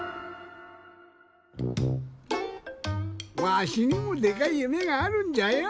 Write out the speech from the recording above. わしにもでかい夢があるんじゃよ。